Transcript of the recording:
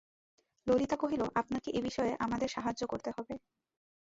ললিতা কহিল, আপনাকে এ বিষয়ে আমাদের সাহায্য করতে হবে।